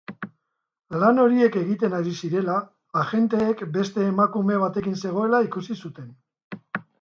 Lan horiek egiten ari zirela, agenteek beste emakume batekin zegoela ikusi zuten.